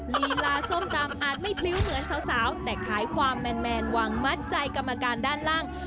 ลีลาส้มตำอาจไม่พลิ้วเหมือนสาวแต่ขายความแม่งแมนวางมัดใจกำลัง